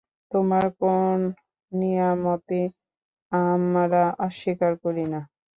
তোমার কোন নিয়ামতই আমরা অস্বীকার করি না।